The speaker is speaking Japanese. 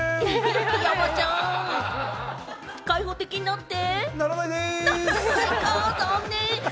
山ちゃん開放的になって。